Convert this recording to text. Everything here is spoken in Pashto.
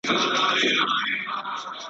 په خوب په ویښه به دریادېږم ,